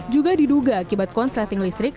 juga diduga akibat konsleting listrik